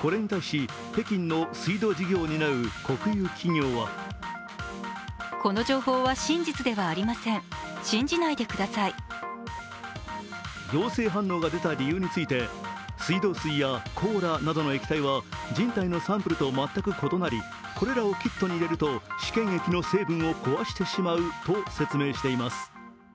これに対し、北京の水道事業を担う国有企業は陽性反応が出た理由について水道水やコーラなどの液体は人体のサンプルと全く異なりこれらをキットに入れると試験液の成分を壊してしまうと説明しています。